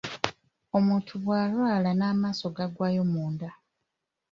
Omuntu bw'alwala n'amaaso gagwayo munda.